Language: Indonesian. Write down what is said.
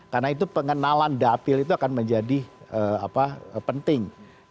karena itu pengenalan dapil itu akan menjadi penting